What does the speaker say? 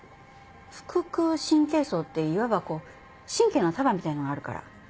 腹腔神経叢っていわばこう神経の束みたいのがあるから。